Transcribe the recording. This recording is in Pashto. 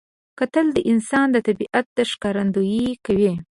کتل د انسان د طبیعت ښکارندویي کوي